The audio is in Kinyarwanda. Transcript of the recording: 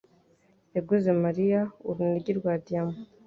yaguze Mariya urunigi rwa diyama